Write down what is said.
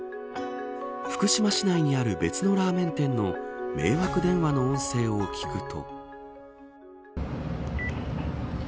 福島市内にある別のラーメン店の迷惑電話の音声を聞くと。